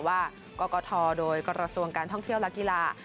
ว่ากรกฐโดยกระทรวงการท่องเที่ยวและกีฬา